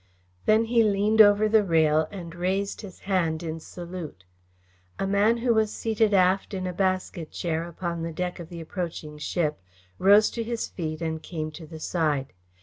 Then he leaned over the rail and raised his hand in salute. A man who was seated aft in a basket chair upon the deck of the approaching ship, rose to his feet and came to the side.